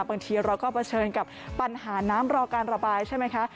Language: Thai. บางทีเราก็เผชิญกับปัญหาน้ำรอการระบายใช่ไหมคะ